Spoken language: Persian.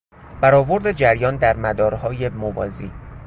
برآورد جریان در مدارهای موازی